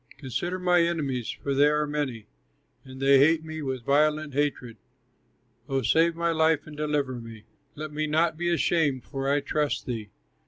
Consider my enemies, for they are many, And they hate me with violent hatred; Oh save my life and deliver me, Let me not be ashamed, for I trust thee.